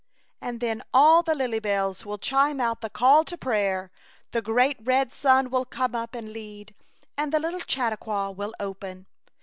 And then all the lily bells will chime out the call to prayer, the great red sun will come up and lead, and the little Chautauqua will open.